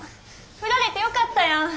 振られてよかったやん。